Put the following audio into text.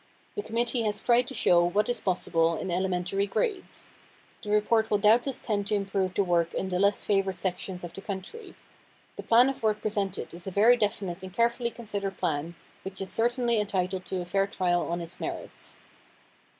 The committee has tried to show what is possible in elementary grades. The report will doubtless tend to improve the work in the less favored sections of the country. The plan of work presented is a very definite and carefully considered plan, which is certainly entitled to a fair trial on its merits.